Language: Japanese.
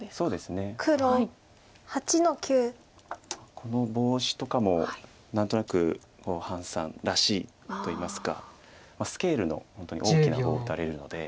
このボウシとかも何となく潘さんらしいといいますかスケールの本当に大きな碁を打たれるので。